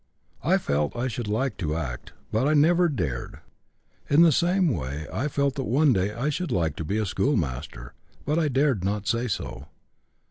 "I felt I should like to act; but I never dared. In the same way I felt that one day I should like to be a schoolmaster, but I dared not say so.